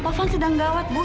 taufan sedang gawat ibu